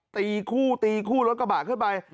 ตีคู่ตีคู่รถกระบะขึ้นไป